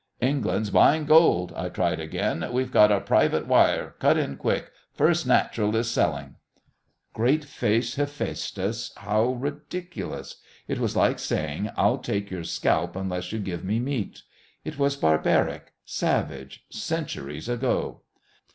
"England's buying gold," I tried again. "We've had a private wire. Cut in quick. First National is selling!" Great faced Hephæstus, how ridiculous! It was like saying, "I'll take your scalp unless you give me meat." It was barbaric, savage, centuries ago.